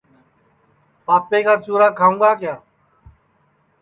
پاپے کا چُرا کھاؤں گا